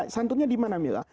santunnya dimana mila